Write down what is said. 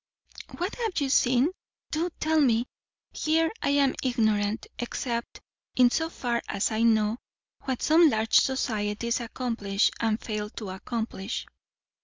"What have you seen? Do tell me. Here I am ignorant; except in so far as I know what some large societies accomplish, and fail to accomplish."